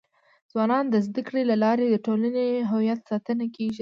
ځوانان د زده کړي له لارې د ټولنې د هویت ساتنه کيږي.